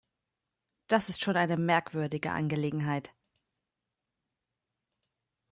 Das ist schon eine merkwürdige Angelegenheit!